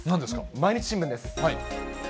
毎日新聞です。